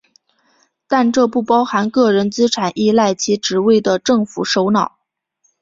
但这不包含个人资产依赖其职位的政府首脑。